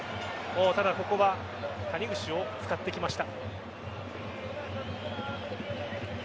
ただここは谷口を使ってきました。